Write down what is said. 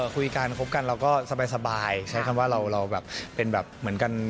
คุยกันคบกันเราก็สบายใช้คำว่าเราแบบเป็นแบบเหมือนกัน